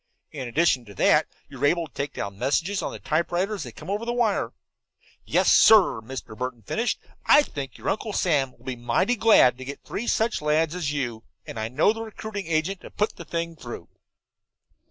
In addition to that, you are able to take down messages on the typewriter as they come over the wire. Yes, sir," Mr. Burton finished, "I think your Uncle Sam will be mighty glad to get three such lads as you, and I know the recruiting agent to put the thing through."